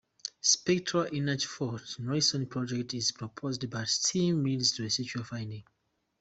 Spectra Energy's Fort Nelson Project is proposed but still needs to secure funding.